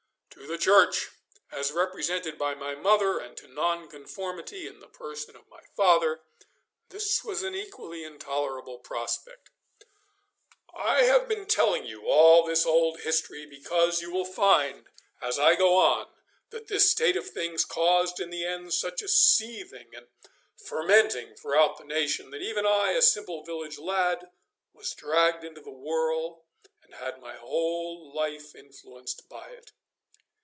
To the Church, as represented by my mother, and to Nonconformity, in the person of my father, this was an equally intolerable prospect. I have been telling you all this old history because you will find, as I go on, that this state of things caused in the end such a seething and fermenting throughout the nation that even I, a simple village lad, was dragged into the whirl and had my whole life influenced by it.